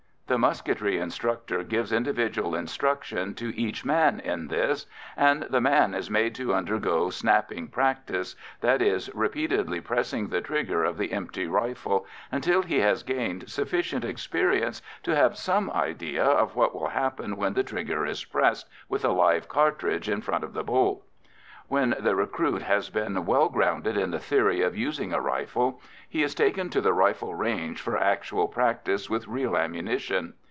The musketry instructor gives individual instruction to each man in this, and the man is made to undergo "snapping practice" that is, repeatedly pressing the trigger of the empty rifle until he has gained sufficient experience to have some idea of what will happen when the trigger is pressed with a live cartridge in front of the bolt. When the recruit has been well grounded in the theory of using a rifle, he is taken to the rifle range for actual practice with real ammunition.